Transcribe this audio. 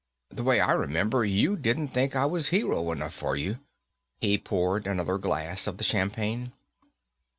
The way I remember, you didn't think I was hero enough for you." He poured another glass of the champagne.